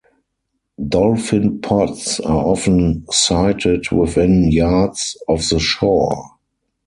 Dolphin pods are often sighted within yards of the shore.